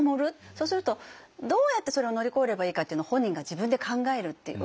そうするとどうやってそれを乗り越えればいいかっていうの本人が自分で考えるっていうわけですよね。